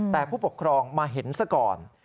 แต่ผู้ปกครองมาเห็นซะก่อน